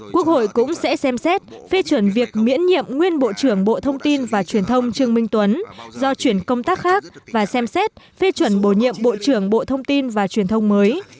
quốc hội cũng sẽ xem xét phê chuẩn việc miễn nhiệm nguyên bộ trưởng bộ thông tin và truyền thông trương minh tuấn do chuyển công tác khác và xem xét phê chuẩn bổ nhiệm bộ trưởng bộ thông tin và truyền thông mới